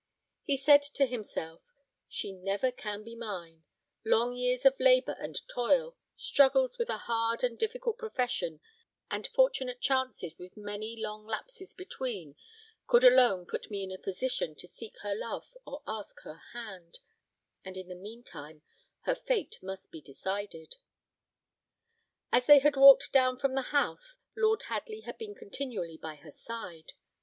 He said to himself, "She never can be mine: long years of labour and toil, struggles with a hard and difficult profession, and fortunate chances with many long lapses between, could alone put me in a position to seek her love or ask her hand; and in the mean time her fate must be decided." As they had walked down from the house, Lord Hadley had been continually by her side.